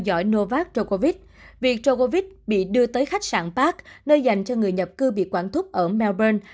việc joe covid bị đưa tới khách sạn park nơi dành cho người nhập cư bị quản thúc ở melbourne